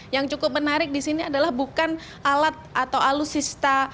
yang cukup menarik di sini adalah bukan alat atau alutsista